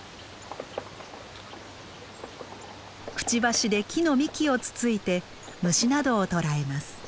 くちばしで木の幹をつついて虫などを捕らえます。